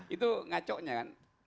itu ngacoknya kan